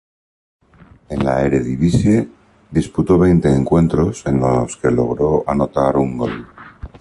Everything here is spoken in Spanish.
En la Eredivisie, disputó veinte encuentros en los que logró anotar un gol.